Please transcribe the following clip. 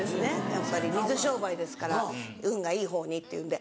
やっぱり水商売ですから運がいい方にっていうんで。